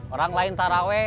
orang lain tak rawe